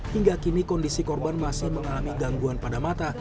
hingga kini kondisi korban masih mengalami gangguan pada mata